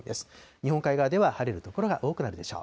日本海側では晴れる所が多くなるでしょう。